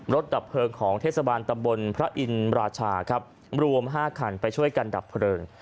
ดับเพลิงของเทศบาลตำบลพระอินราชาครับรวม๕คันไปช่วยกันดับเพลิง